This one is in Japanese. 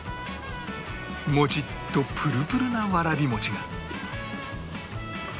モチッとプルプルなわらび餅が